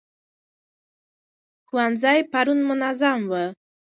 ښوونځي پرون منظم وو.